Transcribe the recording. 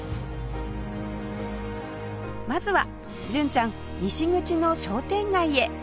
まずは純ちゃん西口の商店街へ